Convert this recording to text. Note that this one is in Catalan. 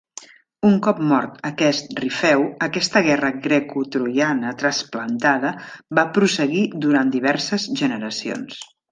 Un cop mort aquest Rifeu, aquesta guerra grecotroiana "trasplantada" va prosseguir durant diverses generacions.